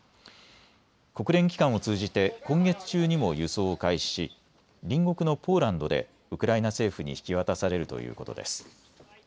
国連機関を通じて今月中にも輸送を開始し隣国のポーランドでウクライナ政府に引き渡されるということです。